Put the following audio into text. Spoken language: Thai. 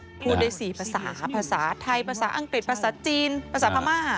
พูดได้๔ภาษาภาษาไทยภาษาอังกฤษภาษาจีนภาษาพม่า